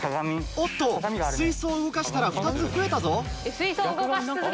おっと水槽を動かしたら２つ増えたぞ。